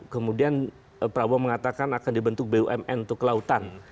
kemudian prabowo mengatakan akan dibentuk bumn untuk kelautan